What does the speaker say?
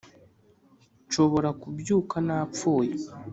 nshobora kubyuka napfuye